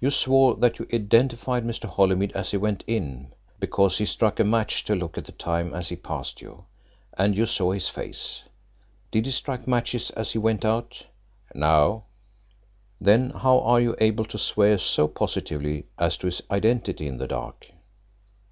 You swore that you identified Mr. Holymead as he went in because he struck a match to look at the time as he passed you, and you saw his face. Did he strike matches as he went out?" "No." "Then how are you able to swear so positively as to his identity in the dark?"